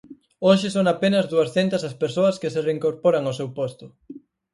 Hoxe son apenas duasscentas as persoas que se reincorporan ao seu posto.